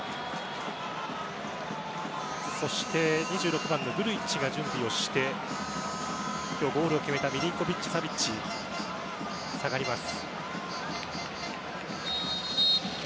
そして２６番のグルイッチが準備をして、今日ゴールを決めたミリンコヴィッチ・サヴィッチが下がります。